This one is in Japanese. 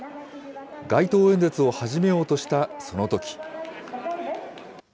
街頭演説を始めようとした、そのとき。